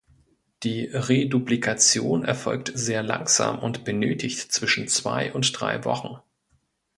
Die Reduplikation erfolgt sehr langsam und benötigt zwischen zwei und drei Wochen.